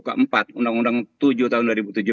keempat undang undang tujuh tahun dua ribu tujuh belas